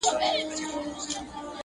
هر موږك سي دېوالونه سوري كولاى!.